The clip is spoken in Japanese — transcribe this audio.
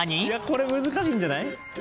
・これ難しいんじゃない？